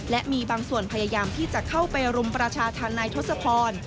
และมีบางส่วนพยายามที่จะเข้าไปรุมประชาธรรมนายทศพร